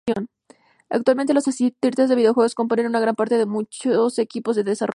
Actualmente, los artistas de videojuegos componen una gran parte de muchos equipos de desarrollo.